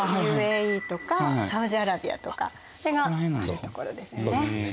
ＵＡＥとかサウジアラビアとかそれがあるところですよね。